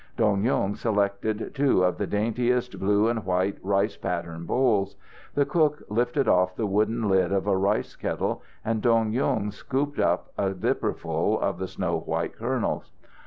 Dong Yung selected two of the daintiest blue and white rice pattern bowls. The cook lifted off the wooden lid of the rice kettle, and Dong Yung scooped up a dipperful of the snow white kernels.